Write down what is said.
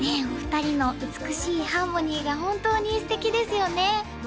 お二人の美しいハーモニーが本当に素敵ですよね